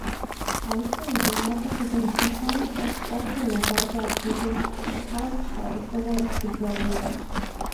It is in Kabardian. А упщӀэм и жэуапым къызэрыхэщамкӀэ, Ӏуэхур нэгъабэ апхуэдэу щӀыщытам щхьэусыгъуэ зыбжанэ иӀэщ.